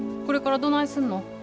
これからどないすんの？